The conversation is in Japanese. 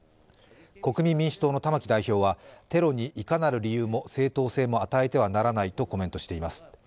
国民民主党の玉木代表はテロにいかなる理由も正当性も与えてはならないとコメントしています。